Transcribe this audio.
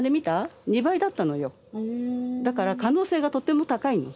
だから可能性がとても高いの。